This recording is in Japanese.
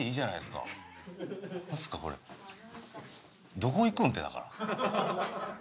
どこ行くんってだから。